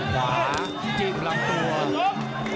ขวาจิ้มลำตัว